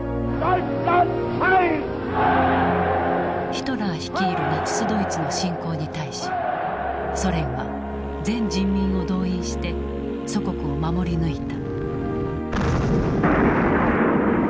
ヒトラー率いるナチス・ドイツの侵攻に対しソ連は全人民を動員して祖国を守り抜いた。